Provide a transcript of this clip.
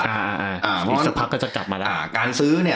อีกสักพักก็จะกลับมาละ